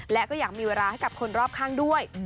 และก็อยากมีเวลาให้กับคนรอบข้างด้วย